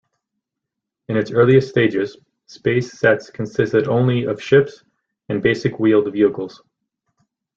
In its earliest stages, Space sets consisted only of ships and basic wheeled vehicles.